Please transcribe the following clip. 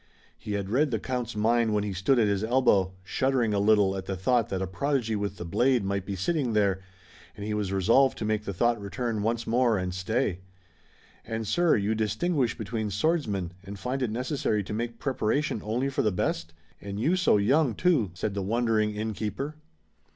He had read the count's mind when he stood at his elbow, shuddering a little at the thought that a prodigy with the blade might be sitting there, and he was resolved to make the thought return once more and stay. "And, sir, you distinguish between swordsmen, and find it necessary to make preparation only for the very best? And you so young too!" said the wondering innkeeper.